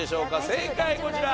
正解こちら。